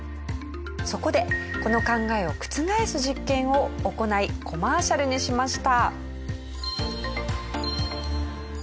そこでこの考えを覆す実験を行いコマーシャルにしました。